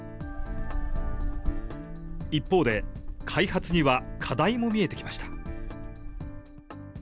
一方で、開発には課題も見えてきました。